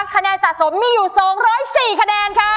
คะแนนสะสมมีอยู่๒๐๔คะแนนค่ะ